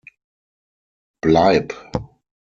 Bleib!